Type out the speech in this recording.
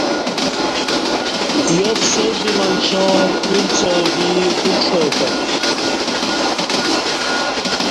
یاساس بی منچاں پکیور څاو دی اُکݜاتت